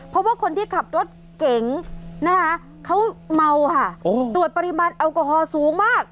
เพราะว่าคนที่ขับรถเก๋งนะคะเขาเมาค่ะตรวจปริมาณแอลกอฮอลสูงมาก